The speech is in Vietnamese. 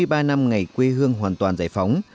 trong ngày quê hương hoàn toàn giải phóng